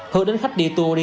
hướng đến khách đi tour đi